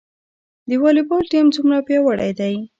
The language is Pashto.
د والیبال ټیم څومره پیاوړی دی؟